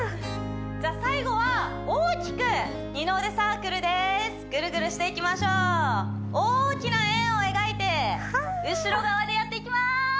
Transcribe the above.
じゃあ最後は大きく二の腕サークルですグルグルしていきましょう大きな円を描いて後ろ側でやっていきます